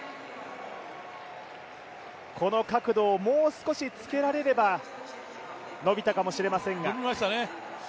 この角度をもう少しつけられれば、伸びたかもしれませんが。